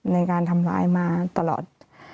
ในการทำร้ายมาตลอด